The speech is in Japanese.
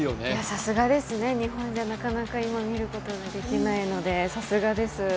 さすがですね、日本ではなかなか今見ることができないのでさすがです